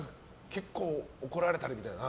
結構怒られたりみたいな？